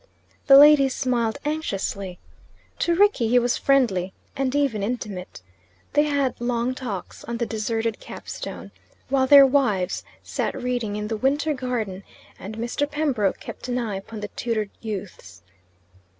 The ladies smiled anxiously. To Rickie he was friendly and even intimate. They had long talks on the deserted Capstone, while their wives sat reading in the Winter Garden and Mr. Pembroke kept an eye upon the tutored youths.